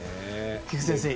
菊地先生